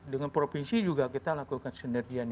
dengan provinsi juga kita lakukan sinergian